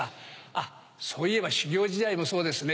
あっそういえば修業時代もそうですね。